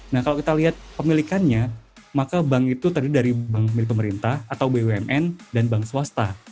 nah kalau kita lihat pemilikannya maka bank itu terdiri dari bank milik pemerintah atau bumn dan bank swasta